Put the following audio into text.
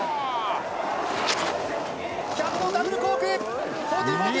キャブのダブルコーク１４４０